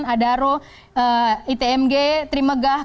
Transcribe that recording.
adaro itmg trimegah